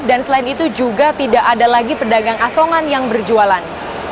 dan selain itu juga tidak ada lagi pedagang asongan yang berjualan